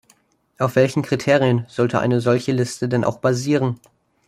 Auf welchen Kriterien sollte eine solche Liste denn auch basieren?